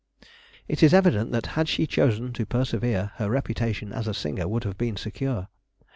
It is evident that had she chosen to persevere, her reputation as a singer would have been secure.